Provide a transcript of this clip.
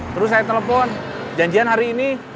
terus saya telepon janjian hari ini